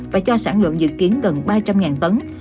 và cho sản lượng dự kiến gần ba trăm linh tấn